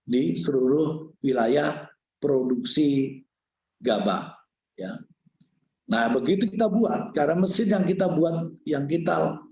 di seluruh wilayah produksi gabah ya nah begitu kita buat karena mesin yang kita buat yang kital